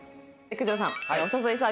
九条さん